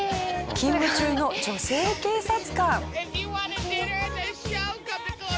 勤務中の女性警察官。